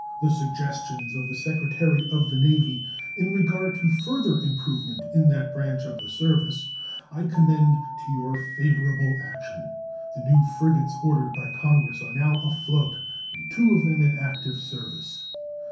The suggestions of the Secretary of the Navy in regard to further improvement in that branch of the service I commend to your favorable action. The new frigates ordered by Congress are now afloat and two of them in active service.